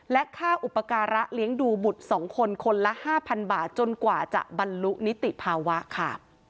และค่าอุปการะเลี้ยงดูบุตร๒คนคนละ๕๐๐บาทจนกว่าจะบรรลุนิติภาวะค่ะ